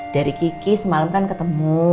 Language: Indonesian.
dari kiki semalam kan ketemu